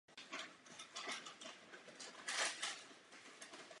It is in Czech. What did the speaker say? Listy a mladé výhonky jsou používány jako krmivo pro dobytek a jako zelené hnojení.